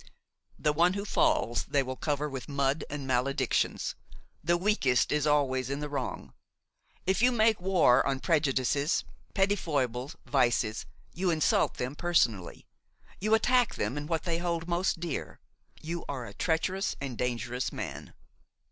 The one who falls they will cover with mud and maledictions; the weakest is always in the wrong. If you make war on prejudices, petty foibles, vices, you insult them personally, you attack them in what they hold most dear, you are a treacherous and dangerous man.